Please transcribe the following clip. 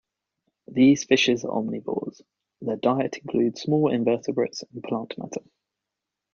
These fishes are omnivorous; their diet includes small invertebrates and plant matter.